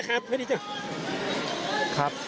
คุณภูริพัฒน์บุญนิน